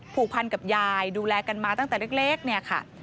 ผูกพันกับยายดูแลกันมาตั้งแต่เล็ก